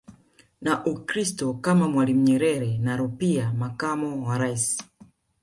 na Ukristo kama Mwalimu Nyerere na Rupia makamo wa raisi